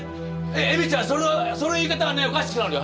エミちゃんそのその言い方はねおかしくなるよ。